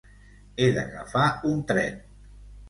He d'agafar un tren.